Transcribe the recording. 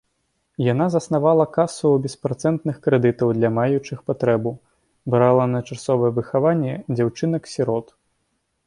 Яна заснавала касу беспрацэнтных крэдытаў для маючых патрэбу, брала на часовае выхаванне дзяўчынак-сірот.